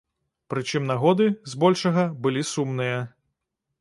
Прычым нагоды, збольшага, былі сумныя.